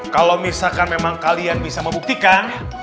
kalau misalkan memang kalian bisa membuktikan